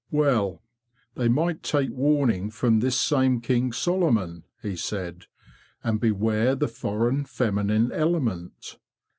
'Well, they might take warning from this same King Solomon,"' he said, '"' and beware the foreign feminine element.